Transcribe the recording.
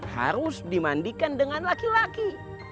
harus dimandikan dengan laki laki